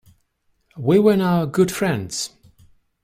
We were now good friends.